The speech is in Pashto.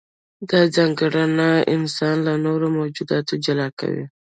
دا ځانګړنه انسان له نورو موجوداتو جلا کوي.